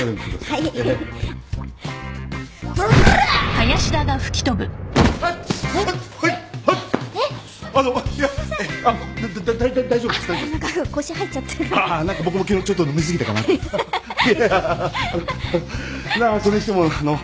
いやそれにしてもあの。